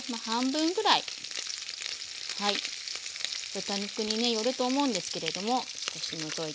豚肉にねよると思うんですけれども少し除いて下さい。